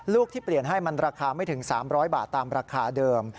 ลูกที่เปลี่ยนให้มันราคาไม่ถึง๓๐๐บาทตามราคาเดิม